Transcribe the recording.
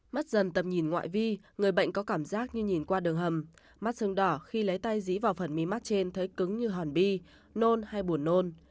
mất dần tầm nhìn ngoại vi người bệnh có cảm giác như nhìn qua đường hầm mắt xương đỏ khi lấy tay dí vào phần miế mắt trên thấy cứng như hòn bi nôn hay buồn nôn